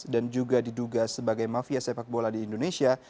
dan juga diduga sebagai mafia sepak bola di indonesia